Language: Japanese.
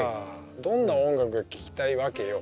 どんな音楽が聴きたいわけよ？